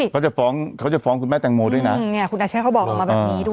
เขาจะฟ้องเขาจะฟ้องคุณแม่แตงโมด้วยนะเนี่ยคุณอาชญาเขาบอกออกมาแบบนี้ด้วย